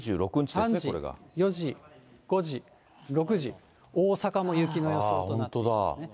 ３時、４時、５時、６時、大阪も雪の予想となっていますね。